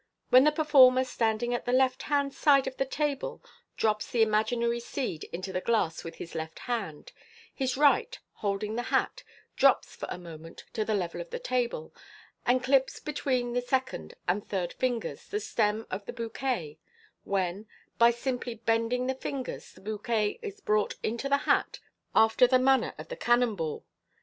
When the performer, standing at the left hand side of the table, drops the imaginary seed into the glass with his left hand, his right, holding the hat, drops for a moment to the level of the table, and clips between the second and third fingers the stem of the bouquet, when, by simply bending the fingers, the bouquet is brought into the hat after the manner of the cannon ball.